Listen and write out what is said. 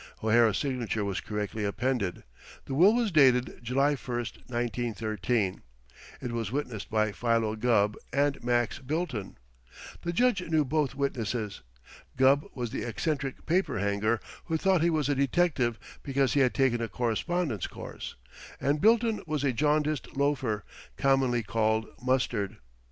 O'Hara's signature was correctly appended. The will was dated July 1, 1913. It was witnessed by Philo Gubb and Max Bilton. The Judge knew both witnesses. Gubb was the eccentric paper hanger who thought he was a detective because he had taken a correspondence course, and Bilton was a jaundiced loafer, commonly called Mustard.